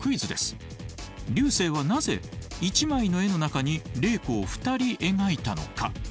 劉生はなぜ一枚の絵の中に麗子を２人描いたのか？